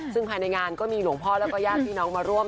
ซึ่งภายในงานก็มีหลวงพ่อแล้วก็ญาติพี่น้องมาร่วม